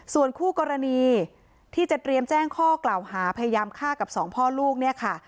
ส่วนคู่กรณีที่จะเตรียมแจ้งข้อกล่าวหาพยายามฆ่ากับสองพ่อลูกเนี่ยค่ะ